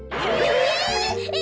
え！